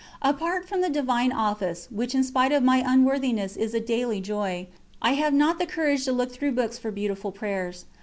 Apart from the Divine Office, which in spite of my unworthiness is a daily joy, I have not the courage to look through books for beautiful prayers.